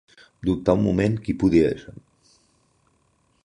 Dubtà un moment qui podia ésser.